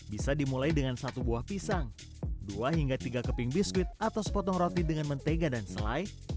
bisa dimulai dengan satu buah pisang dua hingga tiga keping biskuit atau sepotong roti dengan mentega dan selai